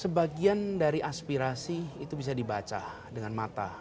sebagian dari aspirasi itu bisa dibaca dengan mata